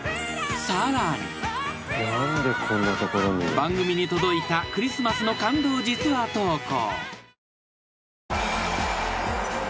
［番組に届いたクリスマスの感動実話投稿］